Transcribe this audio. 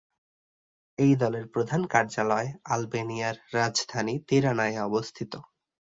এই দলের প্রধান কার্যালয় আলবেনিয়ার রাজধানী তিরানায় অবস্থিত।